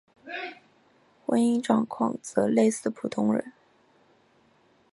婚姻状况则类似普通人。